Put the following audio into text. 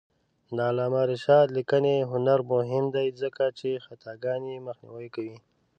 د علامه رشاد لیکنی هنر مهم دی ځکه چې خطاګانې مخنیوی کوي.